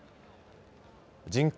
人口